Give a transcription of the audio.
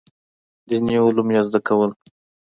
دیني علوم یې زده کول.